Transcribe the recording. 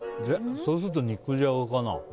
そうすると肉じゃがかな。